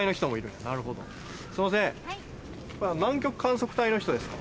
すいません南極観測隊の人ですか？